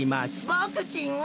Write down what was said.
ボクちんは。